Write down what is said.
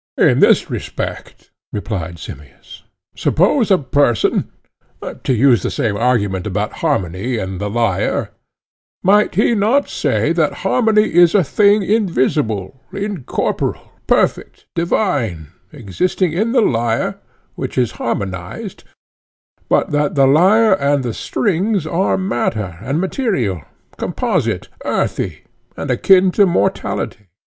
In this respect, replied Simmias:—Suppose a person to use the same argument about harmony and the lyre—might he not say that harmony is a thing invisible, incorporeal, perfect, divine, existing in the lyre which is harmonized, but that the lyre and the strings are matter and material, composite, earthy, and akin to mortality?